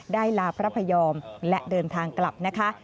ลาพระพยอมและเดินทางกลับนะคะ